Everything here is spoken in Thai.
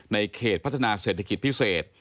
ในเขตพัฒนาเศรษฐกิจพิเศษ